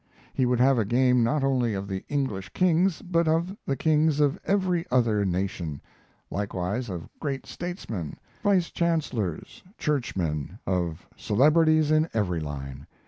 He would have a game not only of the English kings, but of the kings of every other nation; likewise of great statesmen, vice chancellors, churchmen, of celebrities in every line.